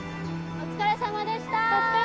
お疲れさまでした。